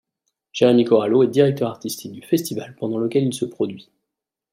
Jérémy Corallo est Directeur Artistique du festival pendant lequel il se produit.